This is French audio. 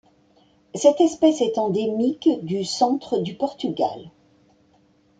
Cette espèce est endémique du Centre du Portugal.